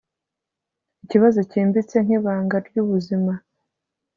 Ikibazo cyimbitse nkibanga ryubuzima